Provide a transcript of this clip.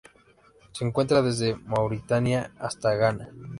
Se encuentra desde Mauritania hasta Ghana.